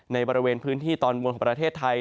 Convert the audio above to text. ในบริเวณพื้นที่ตอนบนของประเทศไทย